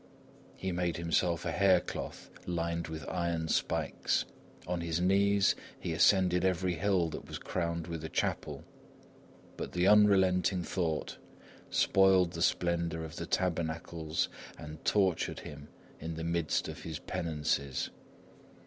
He made himself a hair cloth lined with iron spikes. On his knees, he ascended every hill that was crowned with a chapel. But the unrelenting thought spoiled the splendour of the tabernacles and tortured him in the midst of his penances.